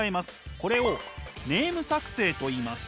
これをネーム作成といいます。